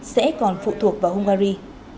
sẽ còn phụ thuộc vào hungary